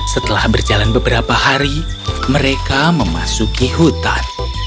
setelah berjalan beberapa hari mereka memasuki hutan